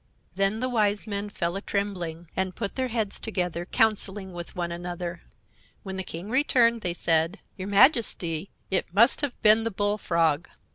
Then the Wise Men fell a trembling, and put their heads together, counseling with one another. When the King returned, they said: "Your Majesty, it must have been the Bullfrog."